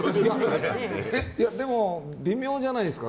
でも、微妙じゃないですか。